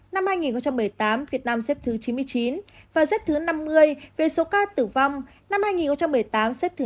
năm hai nghìn một mươi tám việt nam xếp thứ chín mươi chín và xếp thứ năm mươi về số ca tử vong năm hai nghìn một mươi tám xếp thứ chín